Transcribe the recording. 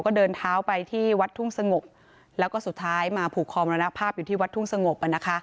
ก็เดินเท้าไปที่วัดทุ่งสงบแล้วก็สุดท้ายมาผูกคอมรณภาพอยู่ที่วัดทุ่งสงบ